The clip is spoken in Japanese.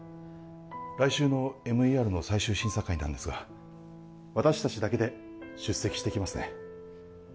来週のＭＥＲの最終審査会なんですが私達だけで出席してきますね